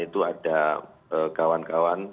itu ada kawan kawan